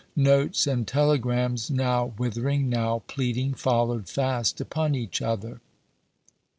Notes and telegrams, now withering, now pleading, followed fast upon each other.